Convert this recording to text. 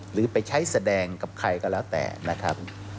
หรือไปใช้แสดงกับใครก็แล้วแต่นะครับ